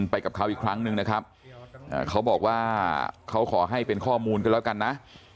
ไปกับเขาอีกครั้งหนึ่งนะครับเขาบอกว่าเขาขอให้เป็นข้อมูลกันแล้วกันนะ